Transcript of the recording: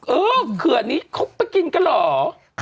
เออเขื่อนนี้เขาไปกินกันเหรอ